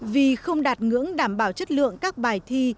vì không đạt ngưỡng đảm bảo chất lượng các bài thi